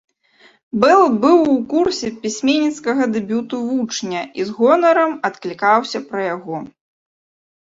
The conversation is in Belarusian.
Бэл быў у курсе пісьменніцкага дэбюту вучня і з гонарам адклікаўся пра яго.